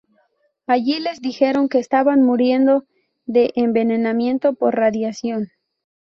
Allí les dijeron que estaban muriendo de envenenamiento por radiación.